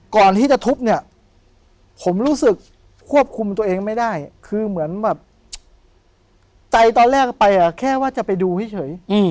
ก่อนที่จะทุบเนี่ยผมรู้สึกควบคุมตัวเองไม่ได้คือเหมือนแบบใจตอนแรกไปแค่ว่าจะไปดูให้เฉย